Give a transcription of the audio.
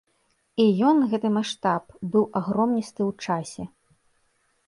І ён, гэты маштаб, быў агромністы ў часе.